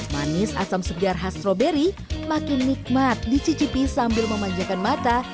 manis asam segar khas stroberi makin nikmat dicicipi sambil memanjakan mata